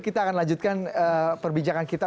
kita akan lanjutkan perbincangan kita